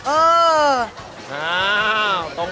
เออ